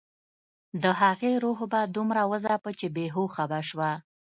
د هغې روح به دومره وځاپه چې بې هوښه به شوه